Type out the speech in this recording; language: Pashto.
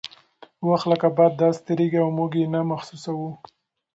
وخت لکه باد داسې تیریږي او موږ یې نه محسوسوو.